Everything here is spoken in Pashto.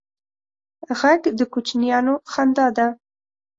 غږ د کوچنیانو خندا ده